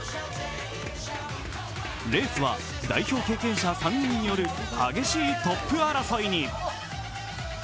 レースは代表経験者３人による激しいトップ争いに。